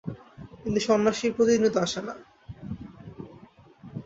কিন্তু, সন্ন্যাসী প্রতিদিনই তো আসে না।